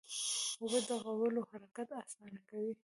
اوبه د غولو حرکت اسانه کوي.